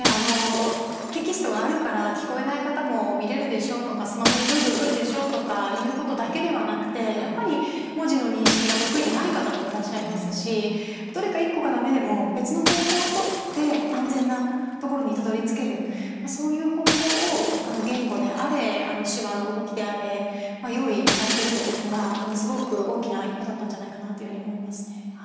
テキストがあるから聞こえない方も見れるでしょうとかスマホにブーブーくるでしょうとかいうことだけではなくてやっぱり文字の認識が得意でない方もいらっしゃいますしどれか１個がだめでも別の方法を取って安全なところにたどりつけるそういう方法を言語であれ、手話の動きであれ用意されているというのはすごく大きな一歩だったんじゃないかなというふうに思いますね。